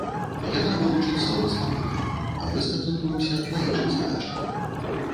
Яна вылучыць словы з памылкамі, а мы сканцэнтруемся на іншых задачах.